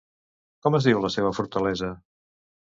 Com es diu la seva fortalesa?